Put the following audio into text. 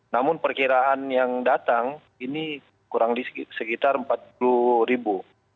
namun perkiraan yang datang ini kurang sekitar empat puluh ribu